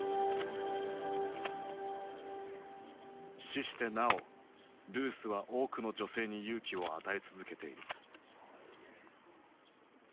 死してなおルースは多くの女性に勇気を与え続けている。